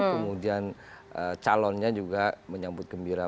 kemudian calonnya juga menyambut gembira